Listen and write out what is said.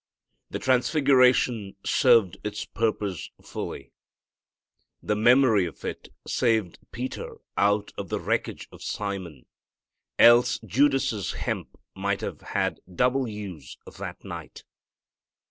The transfiguration served its purpose fully. The memory of it saved Peter out of the wreckage of Simon, else Judas' hemp might have had double use that night.